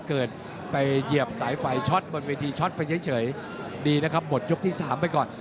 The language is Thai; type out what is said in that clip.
เกิดไปเหยียบสายไฟช็อตบนเวทีช็อตไปเฉยดีนะครับหมดยกที่๓ไปก่อน